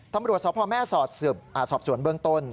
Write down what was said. ธรรมรวชศพพ่อแม่ศอดสวนเบื้องต้น